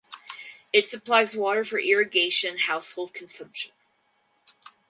It supplies water for irrigation and household consumption.